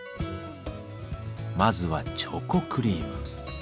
まずはチョコクリーム。